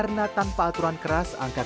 yang mem chloe adalah seorang penghasilan bantuan